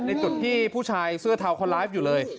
ในจุดที่ผู้ชายเสื้อเทาเขาไลฟ์อยู่เลย